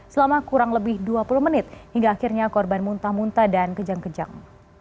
selama kurang lebih dua puluh menit hingga akhirnya korban muntah muntah dan kejang kejang